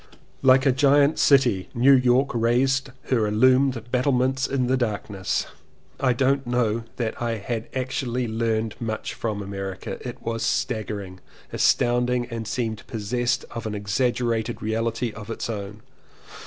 Like a giant city New York raised her illumined battlements in the darkness. I don't know that I actually learned much from America — it was staggering, astounding and seemed possess ed of an exaggerated reality of its own.